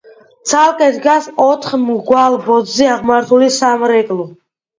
ცალკე დგას ოთხ მრგვალ ბოძზე აღმართული სამრეკლო.